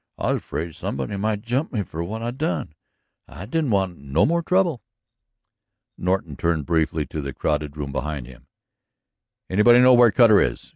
"I was afraid somebody might jump me for what I done. I didn't want no more trouble." Norton turned briefly to the crowded room behind him. "Anybody know where Cutter is?"